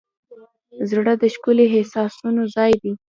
زړه د ښکلي احساسونو ځای دی.